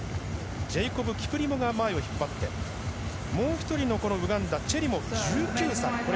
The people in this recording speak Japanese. ジェイコブ・キプリモが前を引っ張ってもう１人のウガンダ、チェリモ１９歳。